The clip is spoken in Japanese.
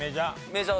メジャー。